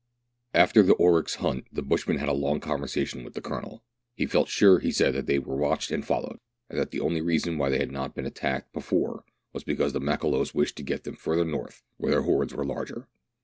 After the oryx hunt the bushman had a long conversa tion with the Colonel. He felt sure, he said, that they were watched and followed, and that the only reason why they had not been attacked before was because the Makololos wished to get them farther north, where their hordes were larger.